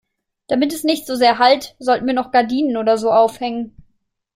Damit es nicht so sehr hallt, sollten wir noch Gardinen oder so aufhängen.